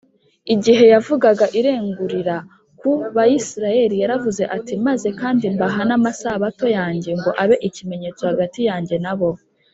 igihe yavugaga irengurira ku bayisiraheli yaravuze ati, “maze kandi mbaha n’amasabato yanjye ngo abe ikimenyetso hagati yanjye na bo